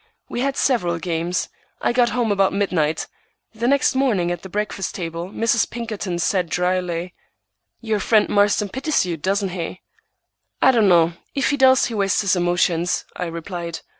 We had several games. I got home about midnight. The next morning, at the breakfast table, Mrs. Pinkerton said dryly,— "Your friend Marston pities you, doesn't he?" "I don't know; if he does, he wastes his emotions," I replied.